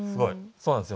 そうなんですよ。